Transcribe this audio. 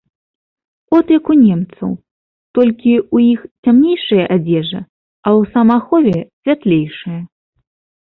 От як у немцаў, толькі ў іх цямнейшая адзежа, а ў самаахове святлейшая.